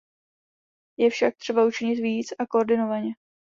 Je však třeba učinit víc, a koordinovaně.